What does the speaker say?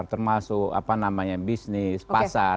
termasuk bisnis pasar